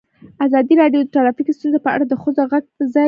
ازادي راډیو د ټرافیکي ستونزې په اړه د ښځو غږ ته ځای ورکړی.